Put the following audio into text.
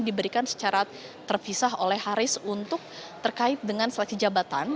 diberikan secara terpisah oleh haris untuk terkait dengan seleksi jabatan